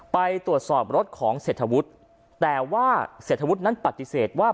ไปตรวจสอบรถของเศรษฐวุฒิแต่ว่าเศรษฐวุฒินั้นปฏิเสธว่า